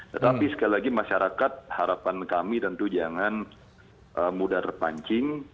tetapi sekali lagi masyarakat harapan kami tentu jangan mudah terpancing